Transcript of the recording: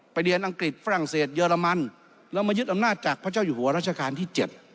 เรียนอังกฤษฝรั่งเศสเยอรมันแล้วมายึดอำนาจจากพระเจ้าอยู่หัวรัชกาลที่๗